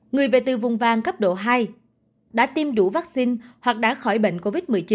người về từ vùng vàng cấp độ hai đã tiêm đủ vaccine hoặc đã khỏi bệnh covid một mươi chín